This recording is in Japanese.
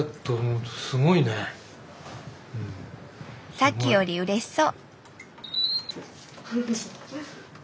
さっきよりうれしそう。